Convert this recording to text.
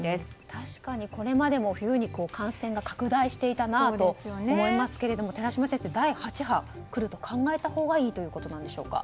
確かに、これまでも冬に感染が拡大していたなと思いますけれど寺嶋先生第８波が来ると考えたほうがいいということなんでしょうか。